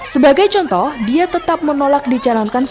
sebagai contoh dia tetap menolak dicalonkan